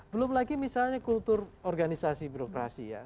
belum lagi misalnya kultur organisasi birokrasi ya